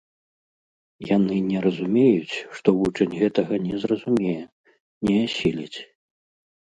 Яны не разумеюць, што вучань гэтага не зразумее, не асіліць.